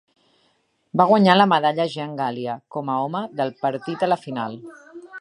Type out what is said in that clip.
Va guanyar la Medalla Jean Galia com a home del partit a la final.